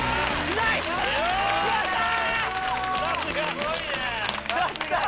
すごいね！